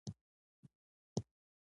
د کور دیوالونه له خټو جوړ دی.